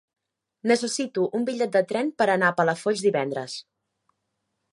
Necessito un bitllet de tren per anar a Palafolls divendres.